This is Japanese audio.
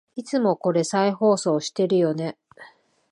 いつもこれ再放送してるよね